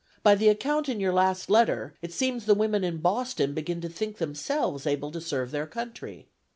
By the account in your last letter, it seems the women in Boston begin to think themselves able to serve their country.